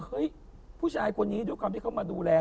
ผู้ชายคนนี้ด้วยความที่เขามาดูแล